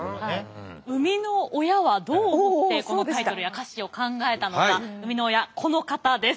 生みの親はどう思ってこのタイトルや歌詞を考えたのか生みの親この方です。